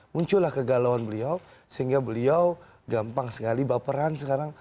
muncullah kegalauan beliau sehingga beliau gampang sekali baperan sekarang